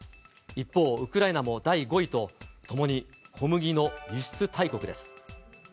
一方、ウクライナも第５位と、ともに小麦の輸出大国です。